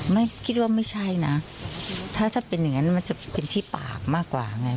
ไม่คิดว่าไม่ใช่นะถ้าเป็นอย่างนั้นมันจะเป็นที่ปากมากกว่าไง